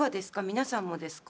皆さんもですか？